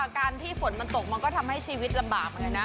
การที่ฝนมันตกมันก็ทำให้ชีวิตลำบากเหมือนกันนะ